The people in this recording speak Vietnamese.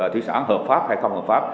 thủy sản hợp pháp hay không hợp pháp